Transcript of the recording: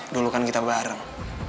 dulu kan kita bareng